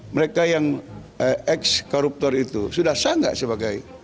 mereka yang eks koruptor itu sudah sanggak sebagai